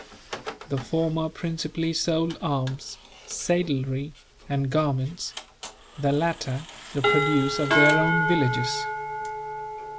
The former principally sold arms, saddlery, and garments; the latter, the produce of their own villages.